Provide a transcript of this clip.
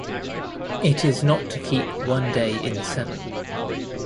It is not to keep one day in seven.